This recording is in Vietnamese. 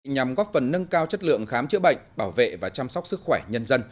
nhằm góp phần nâng cao chất lượng khám chữa bệnh bảo vệ và chăm sóc sức khỏe nhân dân